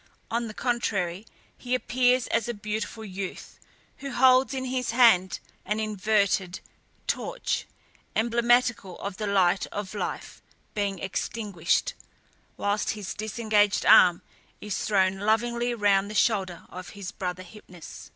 On the contrary, he appears as a beautiful youth, who holds in his hand an inverted torch, emblematical of the light of life being extinguished, whilst his disengaged arm is thrown lovingly round the shoulder of his brother Hypnus.